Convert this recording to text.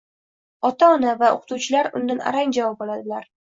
Ota-ona va o‘qituvchilar undan arang javob oladilar.